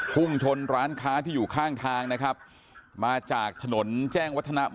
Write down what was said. พุ่งชนร้านค้าที่อยู่ข้างทางนะครับมาจากถนนแจ้งวัฒนะในกรุงเทพฯนะครับ